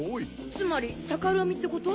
つまり逆恨みってこと？